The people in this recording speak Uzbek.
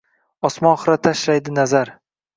Osmon xira tashlaydi nazar.